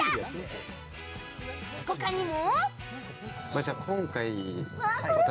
他にも。